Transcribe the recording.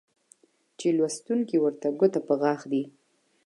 چې لوستونکى ورته ګوته په غاښ دى